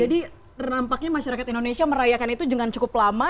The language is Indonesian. jadi ternampaknya masyarakat indonesia merayakan itu dengan cukup lama